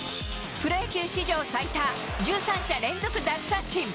プロ野球史上最多１３者連続奪三振。